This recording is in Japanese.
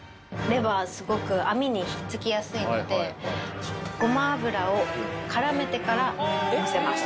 レバーすごく網に引っ付きやすいのでごま油を絡めてからのせます。